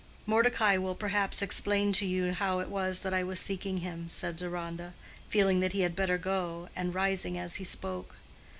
"Mordecai will perhaps explain to you how it was that I was seeking him," said Deronda, feeling that he had better go, and rising as he spoke.